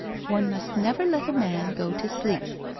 ' One must never let a man go to sleep